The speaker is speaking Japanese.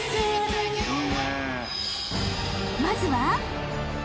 ［まずは］